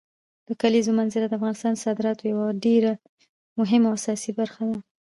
د کلیزو منظره د افغانستان د صادراتو یوه ډېره مهمه او اساسي برخه ده.